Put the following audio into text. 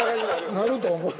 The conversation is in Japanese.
なると思う。